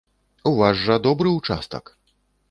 У вас жа добры ўчастак.